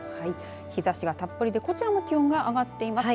日ざしがたっぷりでこちらも気温が上がっています。